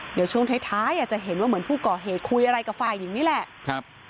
เดี๋ยวช่วงท้ายอาจจะเห็นว่าเหมือนผู้ก่อเหตุคุยอะไรกับฝ่ายหญิงนี่แหละครับ